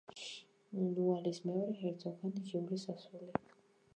ნოალის მეორე ჰერცოგ ან ჟიულის ასული.